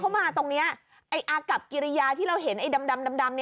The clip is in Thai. เขามาตรงนี้ไอ้อากับกิริยาที่เราเห็นไอ้ดำ